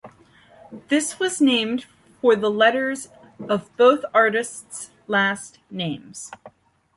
This was named for the letters of both artist's last names.